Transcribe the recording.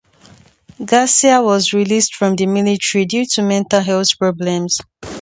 Garcia was released from the military due to "mental health problems".